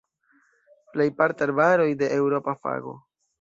Plejparte arbaroj de eŭropa fago.